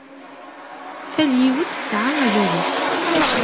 Tal yiwet tesɛa azal-is.